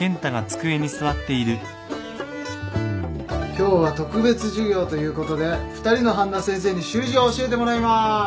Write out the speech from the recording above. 今日は特別授業ということで２人の半田先生に習字を教えてもらいまーす！